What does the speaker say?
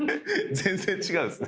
全然違うんすね。